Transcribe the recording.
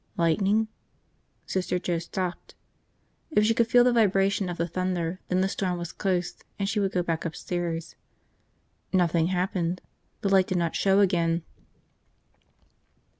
Lightning? Sister Joe stopped. If she could feel the vibration of the thunder, then the storm was close and she would go back upstairs. Nothing happened. The light did not show again.